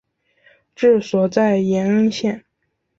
治所在延恩县。